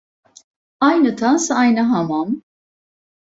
Aynı tas aynı hamam.